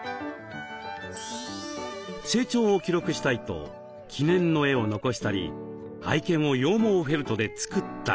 成長を記録したいと記念の絵を残したり愛犬を羊毛フェルトで作ったり。